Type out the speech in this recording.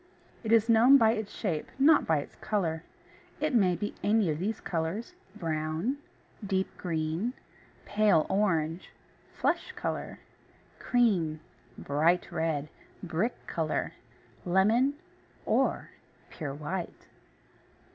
It is known by its shape, not by its colour. It may be any of these colours brown, deep green, pale orange, flesh colour, cream, bright red, brick colour, lemon, or pure white.